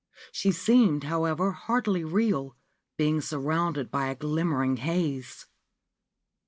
She seemed, however, hardly real, being surrounded by a glittering haze.